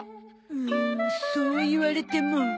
うんそう言われても。